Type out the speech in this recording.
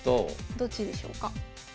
どっちでしょうか。